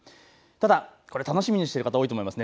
ただ楽しみにしている方多いと思います。